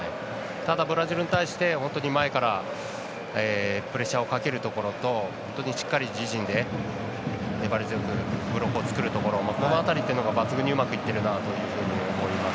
ただブラジルに対して本当に前からプレッシャーをかけるところとしっかり自陣で粘り強くブロックを作るところこの辺りというところが抜群にうまくいっていると思います。